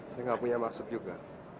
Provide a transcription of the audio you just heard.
saya nggak punya maksud juga